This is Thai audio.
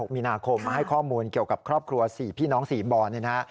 มีนาคมมาให้ข้อมูลเกี่ยวกับครอบครัว๔พี่น้อง๔บอลเนี่ยนะฮะ